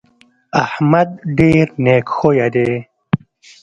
احمد ډېر نېک خویه دی.